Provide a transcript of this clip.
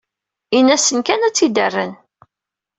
Ini-asen kan ad t-id-rren.